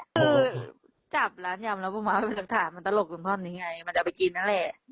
คือจับร้านยำแล้วประมาณสักถามมันตลกตรงท่อนนี้ไงมันจะเอาไปกินนั่นแหละ